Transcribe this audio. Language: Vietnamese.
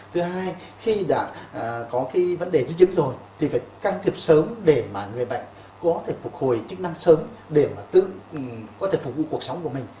thứ hai khi đã có cái vấn đề di chứng rồi thì phải can thiệp sớm để mà người bệnh có thể phục hồi chức năng sớm để mà tự có thể phục vụ cuộc sống của mình